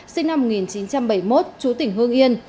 sinh năm một nghìn chín trăm bảy mươi một chú tỉnh hương yên